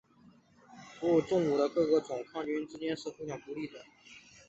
哺乳动物的各个种的抗菌肽之间是互相孤立的。